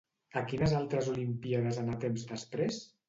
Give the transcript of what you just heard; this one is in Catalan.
A quines altres Olimpíades anà temps després?